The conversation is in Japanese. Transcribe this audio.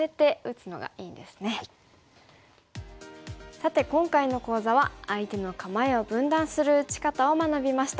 さて今回の講座は相手の構えを分断する打ち方を学びました。